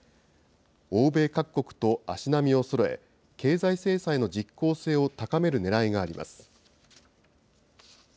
欧米各国と足並みをそろえ、経済制裁の実効性を高めるねらいがあります。